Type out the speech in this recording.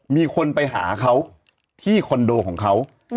มีคนไปหาเขาที่คอนโดของเขา